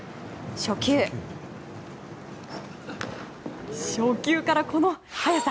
初球からこの速さ。